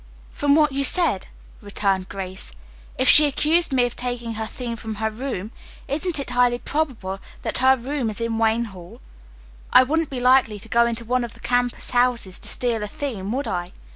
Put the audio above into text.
"From what you said," returned Grace. "If she accused me of taking her theme from her room, isn't it highly probable that her room is in Wayne Hall? I wouldn't be likely to go into one of the campus houses to steal a theme, would I?